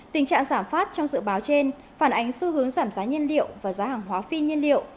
tình trạng giảm phát trong dự báo trên phản ánh xu hướng giảm giá nhiên liệu và giá hàng hóa phi nhiên liệu